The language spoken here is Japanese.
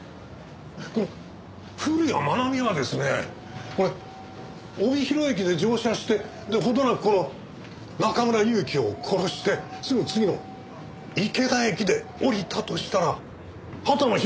この古谷愛美はですね帯広駅で乗車してほどなくこの中村祐樹を殺してすぐ次の池田駅で降りたとしたら畑野宏